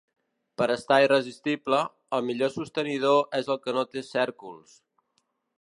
Per estar irresistible, el millor sostenidor és el que no té cèrcols.